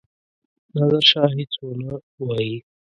نادرشاه هیڅ ونه وايي.